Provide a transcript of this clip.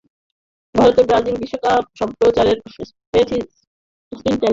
ভারতে ব্রাজিল বিশ্বকাপ সম্প্রচারের স্বত্ব পেয়েছে সনি সিক্স চ্যানেল।